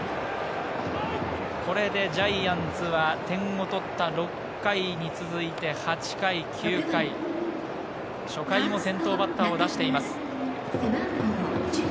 これでジャイアンツは点を取った６回に続いて、８回、９回、初回も先頭バッターを出しています。